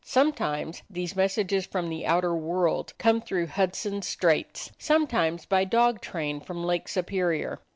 Some times these messages from the outer world come through Hudson Straits, sometimes by dog train from Lake Superior.